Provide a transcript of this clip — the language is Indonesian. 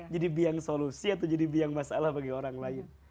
jadi biang solusi atau jadi biang masalah bagi orang lain